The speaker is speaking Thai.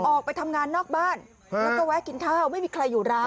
ออกไปทำงานนอกบ้านแล้วก็แวะกินข้าวไม่มีใครอยู่ร้าน